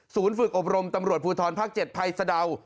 ศูนย์ฝึกอบรมตำรวจภูทรภาค๗ไพรสเดา